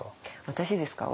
私ですか？